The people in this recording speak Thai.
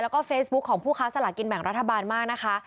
แล้วก็เฟซบุ๊คของผู้ค้าสลากินแบ่งรัฐบาลมากนะคะ